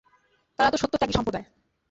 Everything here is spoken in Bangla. তারা তো সত্যত্যাগী সম্প্রদায়।